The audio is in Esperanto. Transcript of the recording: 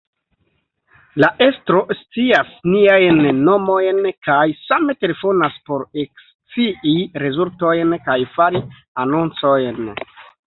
La estro scias niajn nomojn, kaj same telefonas por ekscii rezultojn, kaj fari anoncojn.